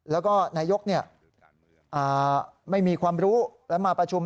แล้วก็นายกไม่มีความรู้และมาประชุม